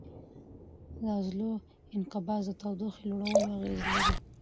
د عضلو انقباض د تودوخې لوړولو اغېز لري.